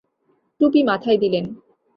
টুপি মাথায় দিলেন।